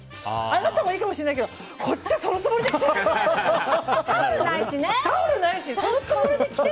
あなたはいいかもしれないけどこっちはそのつもりじゃないんですって。